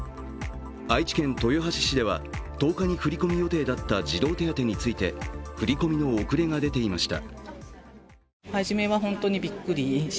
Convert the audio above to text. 愛知県豊橋市では１０日に振り込み予定だった児童手当について振り込みの遅れが出ていました。